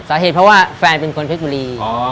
สาเหตุเพราะว่าแฟนเป็นคนเพชรบุรี